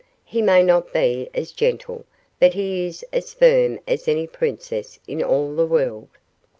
He may not be as gentle, but he is as firm as any princess in all the world."